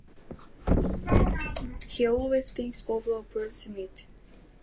He always thinks Bob a "pessimist".